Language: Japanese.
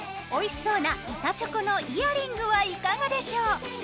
おいしそうな板チョコのイヤリングはいかがでしょう？